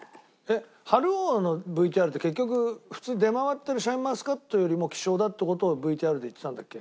晴王のＶＴＲって結局普通に出回ってるシャインマスカットよりも希少だって事をＶＴＲでいってたんだっけ？